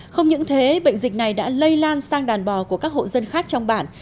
không những thế bệnh dịch này đã lây lan sang đàn bò của các hộ dân khác trong bản